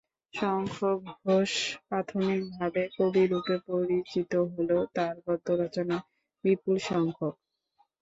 শঙ্খ ঘোষ প্রাথমিক ভাবে ‘কবি’ রূপে পরিচিত হলেও তার গদ্য রচনা বিপুলসংখ্যক।